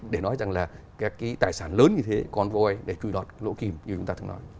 để nói rằng là cái tài sản lớn như thế con voi để chui lọt lỗ kim như chúng ta thường nói